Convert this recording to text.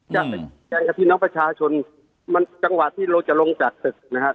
แต่กับพี่น้องประชาชนมันจังหวะที่เราจะลงจากสึกนะฮะ